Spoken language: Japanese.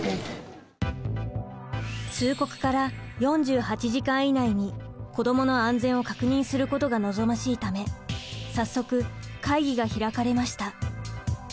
通告から４８時間以内に子どもの安全を確認することが望ましいため早速会議が開かれました。